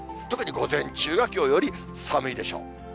特に午前中がきょうより寒いでしょう。